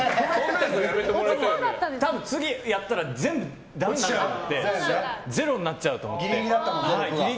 多分、次やったら全部だめになるなと思ってゼロになっちゃうって思って。